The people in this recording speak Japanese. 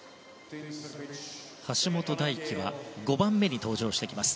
橋本大輝は５番目に登場してきます。